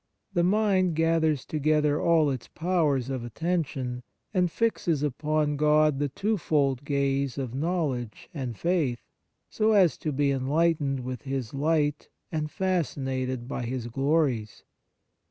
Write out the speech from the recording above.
The mind gathers together all its powers of attention and fixes upon God the twofold gaze of knowledge and faith, so as to be enlightened with His light and fascinated by His glories.